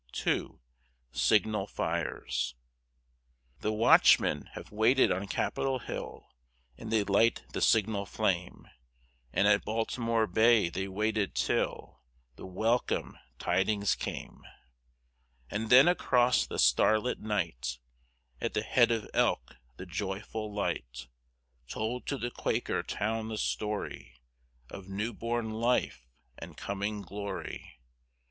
II. SIGNAL FIRES The watchmen have waited on Capitol Hill And they light the signal flame; And at Baltimore Bay they waited till The welcome tidings came; And then across the starlit night, At the head of Elk the joyful light Told to the Quaker town the story Of new born life and coming glory!